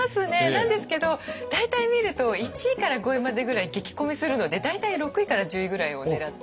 なんですけど大体見ると１位から５位までぐらい激混みするので大体６位から１０位ぐらいを狙って。